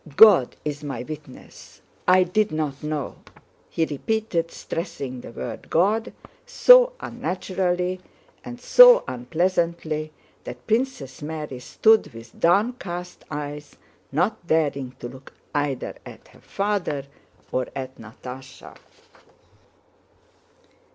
God is my witness, I didn't know—" he repeated, stressing the word "God" so unnaturally and so unpleasantly that Princess Mary stood with downcast eyes not daring to look either at her father or at Natásha.